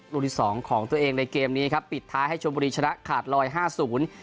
ลูกที่สองของตัวเองในเกมนี้ครับปิดท้ายให้ชมบุรีชนะขาดลอยห้าศูนย์